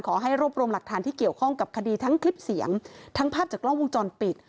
ขอให้รวบรวมหลักฐานที่เกี่ยวข้องกับคดีทั้งคลิปเสียงทั้งภาพจากกล้องวงจรปิด